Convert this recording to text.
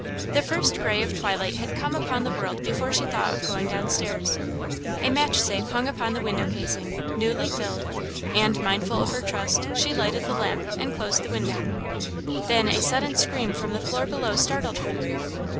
The first grey of twilight had come upon the world before she thought of going downstairs. A match safe hung upon the window casing, newly filled, and, mindful of her trust, she lighted the lamp and closed the window. Then a sudden scream from the floor below startled her.